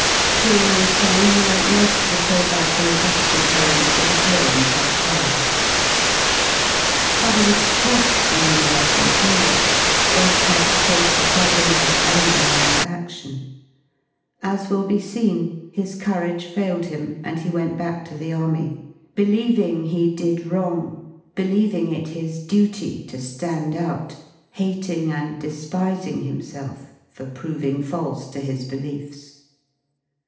During this time he wrote moii of the quasi philosophical poems that appear in Part V, P^ Having scrapped the universe in theory, We^ had to face ' the problem of his own line of adion. As will be seen, his courage failed him, and he went back to the Army, believing he did wrong, believing it his duty to Hand out, hating and j despising himself for proving false to his beliefs.